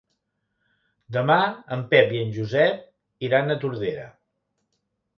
Demà en Pep i en Josep iran a Tordera.